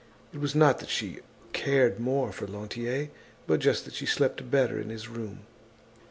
It was not that she cared more for Lantier, but just that she slept better in his room.